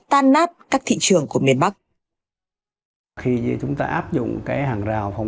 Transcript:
tức là chưa bao giờ trong một thời gian ngắn